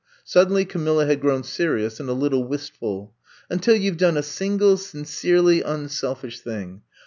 Suddenly Camilla had grown serious and a little wistful. Until you 've done a single sincerely un selfish thing.